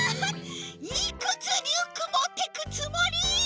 いくつリュックもってくつもり！？